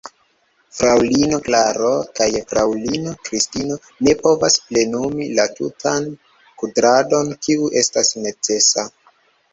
Fraŭlino Klaro kaj fraŭlino Kristino ne povas plenumi la tutan kudradon, kiu estas necesa.